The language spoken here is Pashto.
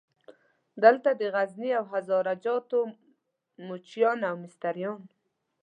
دلته د غزني او هزاره جاتو موچیان او مستریان.